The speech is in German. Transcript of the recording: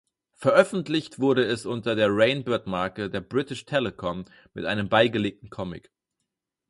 Veröffentlicht wurde es unter der Rainbird-Marke der British Telecom mit einem beigelegten Comic.